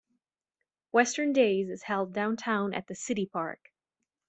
Western Days is held downtown at the city park.